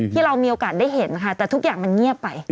มีโอกาสได้เห็นนะคะแต่ทุกอย่างมันเงียบไป